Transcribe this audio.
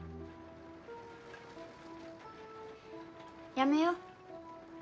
やめよう。